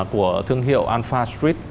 của thương hiệu alfa street